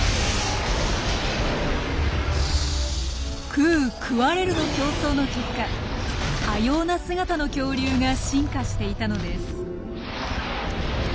食う食われるの競争の結果多様な姿の恐竜が進化していたのです。